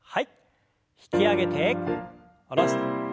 引き上げて下ろして。